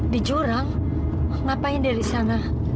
di jurang ngapain dari sana